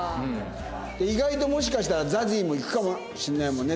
意外ともしかしたらＺＡＺＹもいくかもしれないもんね。